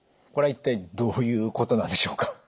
これは一体どういうことなんでしょうか？